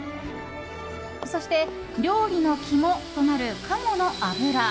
そして、料理の肝となる鴨の脂。